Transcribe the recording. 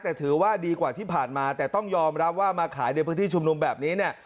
แต่ถือว่าดีกว่าที่ผ่านมาแต่ต้องยอมรับว่ามาขายในพื้นที่ชุมนุมแบบนี้เนี่ย